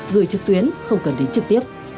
gửi trực tuyến không cần đến trực tiếp